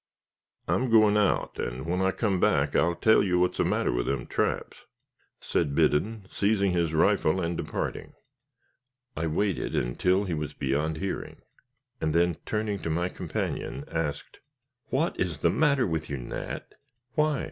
"I'm goin' out, and when I come back I'll tell you what's the matter with them traps," said Biddon, seizing his rifle and departing. I waited until he was beyond hearing, and then turning to my companion, asked, "What is the matter with you, Nat?" "Why?"